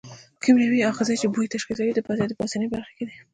کیمیاوي آخذې چې بوی تشخیصوي د پزې په پاسنۍ برخه کې دي.